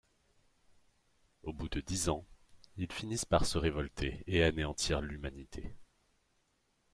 Au bout de dix ans, ils finissent par se révolter et anéantir l'humanité.